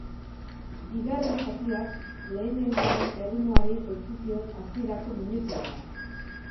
Bigarren zatiak lehenengoaren erritmoari eutsi zion hasierako minutuetan.